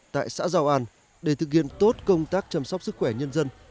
tại xã giao an để thực hiện tốt công tác chăm sóc sức khỏe nhân dân